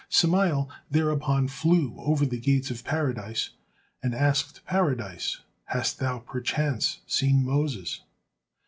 '" Samael thereupon flew over the gates of Paradise and asked Paradise, "Hast thou perchance seen Moses?"